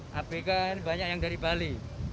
kemudian abk ini banyak yang dari bali